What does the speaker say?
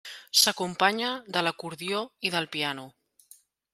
S'acompanya de l'acordió i del piano.